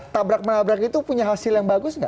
tabrak menabrak itu punya hasil yang bagus nggak